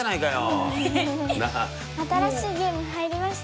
新しいゲーム入りました？